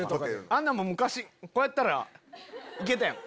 あんなもん昔こうやったらいけたやん。